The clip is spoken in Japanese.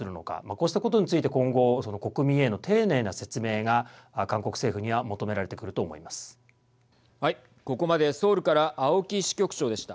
こうしたことについて今後、国民への丁寧な説明が韓国政府には求められてくると思います。